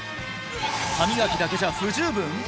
歯磨きだけじゃ不十分！？